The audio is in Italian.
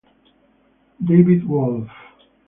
David Wolf